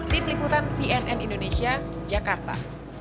tim liputan cnn indonesia jakarta